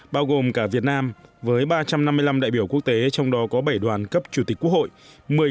bao gồm cả việt nam với ba trăm năm mươi năm đại biểu quốc tế trong đó có bảy đoàn cấp chủ tịch quốc hội